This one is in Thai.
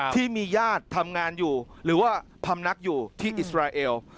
ที่มีญาติทำงานอยู่หรือว่าพำนักอยู่ที่อิสราเอล